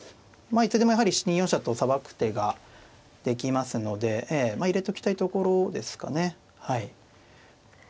まあいつでもやはり２四飛車とさばく手ができますのでまあ入れときたいところですかね。